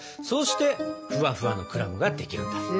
そうしてふわふわのクラムが出来るんだ。